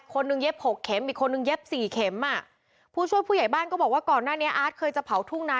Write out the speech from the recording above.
คนหนึ่งเย็บหกเข็มอีกคนนึงเย็บสี่เข็มอ่ะผู้ช่วยผู้ใหญ่บ้านก็บอกว่าก่อนหน้านี้อาร์ตเคยจะเผาทุ่งนา